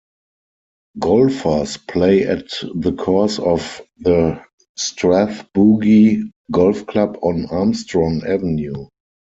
Golfers play at the course of the Strathbogie Golf Club on Armstrong Avenue.